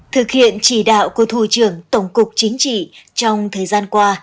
thực hiện chỉ đạo của thủ trưởng tổng cục chính trị trong thời gian qua